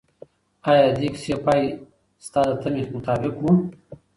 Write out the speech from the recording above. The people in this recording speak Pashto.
آیا د دې کیسې پای ستا د تمې مطابق و؟